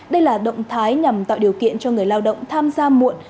đây là động thái nhằm tạo điều kiện cho người lao động tham gia muộn